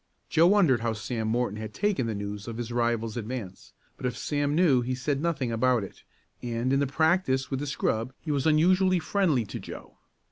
Joe wondered how Sam Morton had taken the news of his rival's advance, but if Sam knew he said nothing about it, and in the practice with the scrub he was unusually friendly to Joe.